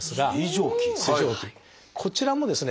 こちらもですね